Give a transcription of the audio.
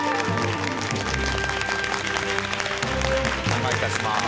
お邪魔いたします